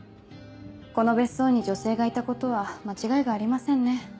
この別荘に女性がいたことは間違いがありませんね。